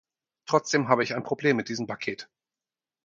Trotzdem habe ich ein Problem mit diesem Paket.